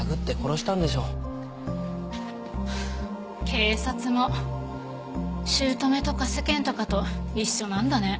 警察も姑とか世間とかと一緒なんだね。